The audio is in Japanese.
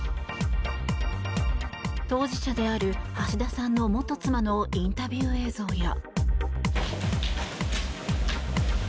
当事者である橋田さんの元妻のインタビュー映像や。